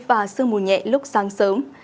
và sương mù nhẹ lúc sáng sớm